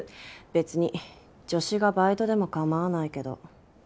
別に助手がバイトでも構わないけど。